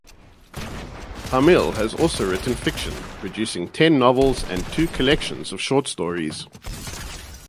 Hamill has also written fiction, producing ten novels and two collections of short stories.